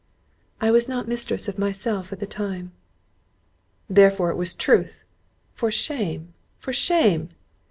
"I was not mistress of myself at the time." "Therefore it was truth!—for shame, for shame!"